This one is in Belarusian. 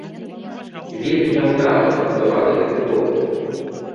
Вельмі няўдала пабудаваны гэты дом.